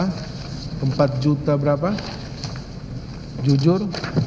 yunda berapa empat juta berapa jujur